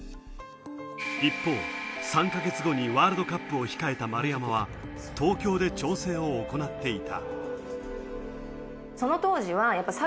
一方、３か月後にワールドカップを控えた丸山は東京で調整を行っていた。